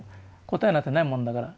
答えなんてないもんだから。